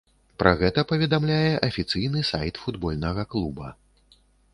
Пра гэта паведамляе афіцыйны сайт футбольнага клуба.